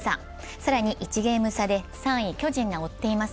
更に１ゲーム差で３位・巨人が追っています。